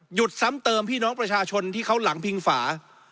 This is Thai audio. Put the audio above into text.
ซ้ำเติมพี่น้องประชาชนที่เขาหลังพิงฝา